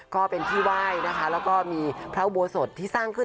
ก็เป็นที่ไหว้นะคะแล้วก็มีพระอุโบสถที่สร้างขึ้น